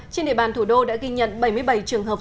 trên địa bàn thủ đô đã ghi nhận bảy mươi bảy trường hợp